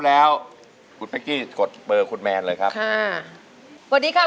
เหนือที่คุณแมนบอกมา